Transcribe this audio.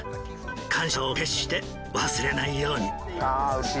感謝を決して忘れないように。